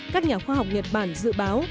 các nhà khoa học nhật bản dự báo